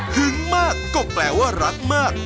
มากก็แปลว่ารักมาก